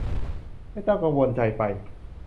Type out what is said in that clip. ไม่ต้องกังวลใจไป